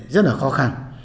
rất là khó khăn